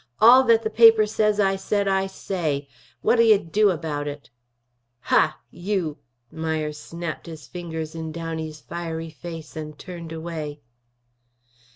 All that the paper says I said I say. What'll you do about it?" "Hah! You!" Myers snapped his fingers in Downey's fiery face and turned away.